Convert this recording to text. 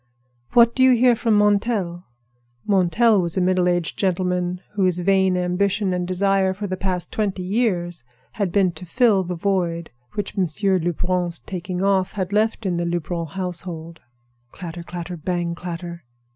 "What do you hear from Montel?" Montel was a middle aged gentleman whose vain ambition and desire for the past twenty years had been to fill the void which Monsieur Lebrun's taking off had left in the Lebrun household. Clatter, clatter, bang, clatter!